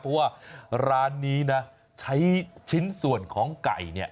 เพราะว่าร้านนี้นะใช้ชิ้นส่วนของไก่เนี่ย